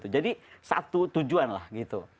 jadi satu tujuan lah gitu